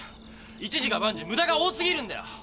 一事が万事無駄が多すぎるんだよ！